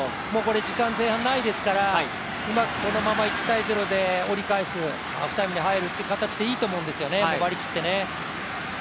時間、前半ないですからうまくこのまま１−０で折り返すハーフタイムに入るって形でいいと思うんですね、割り切って。